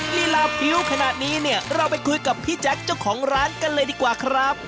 ลีลาพริ้วขนาดนี้เนี่ยเราไปคุยกับพี่แจ๊คเจ้าของร้านกันเลยดีกว่าครับ